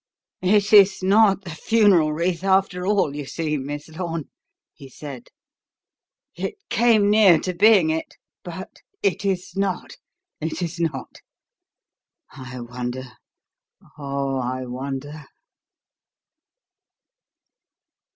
"It is not the 'funeral wreath' after all, you see, Miss Lorne," he said. "It came near to being it; but it is not, it is not. I wonder, oh, I wonder!"